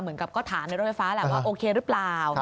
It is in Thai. เหมือนกับก็ถามในรถไฟฟ้าแหละว่าโอเคหรือเปล่า